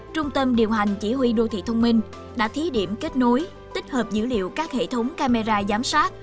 trung tâm điều hành chỉ huy đô thị thông minh đã thí điểm kết nối tích hợp dữ liệu các hệ thống camera giám sát